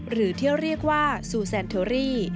หรือที่เรียกว่าซูแซนเทอรี่